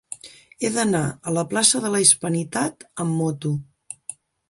He d'anar a la plaça de la Hispanitat amb moto.